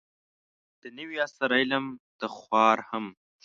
د نوي عصر علم ته خوار هم